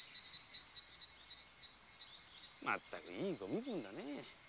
まったくいいご身分だねえ。